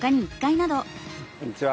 こんにちは。